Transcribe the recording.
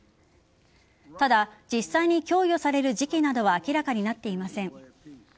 ただ、実際に供与される時期などは明らかになっていません。